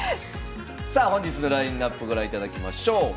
さあ本日のラインナップご覧いただきましょう。